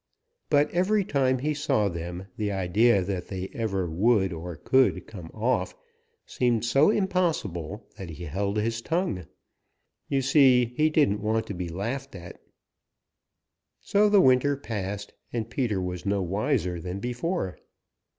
But every time he saw them the idea that they ever would or could come off seemed so impossible that he held his tongue. You see, he didn't want to be laughed at. So the winter passed, and Peter was no wiser than before.